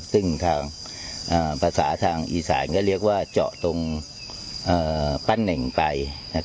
ซึ่งทางภาษาทางอีสานก็เรียกว่าเจาะตรงปั้นเน่งไป